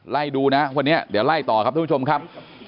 ไล่ดูนะวันนี้เดี๋ยวไล่ต่อครับทุกผู้ชมครับ